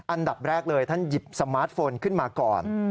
อันดับแรกเลยท่านหยิบสมาร์ทโฟนขึ้นมาก่อน